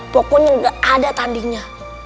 pokoknya gak ada tandingnya